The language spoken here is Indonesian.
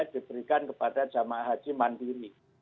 diberikan kepada jamaah haji mandiri